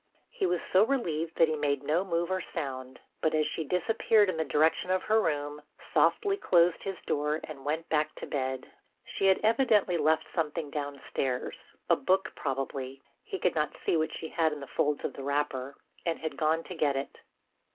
He was so relieved that he made no move or sound, but, as she disappeared in the direction of her room, softly closed his door and went back to bed. She had evidently left something downstairs, a book probably—he could not see what she had in the folds of the wrapper—and had gone to get it.